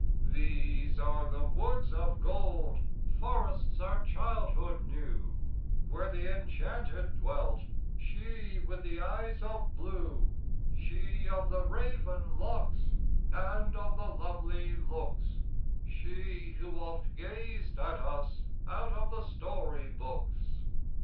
These are the woods of gold; forests our childhood knew, Where the Enchanted dwelt, she with the eyes of blue; She of the raven locks, and of the lovely looks, She who oft gazed at us out of the Story Books.